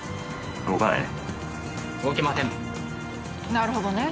なるほどね。